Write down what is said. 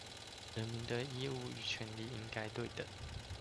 人民的義務與權利應該對等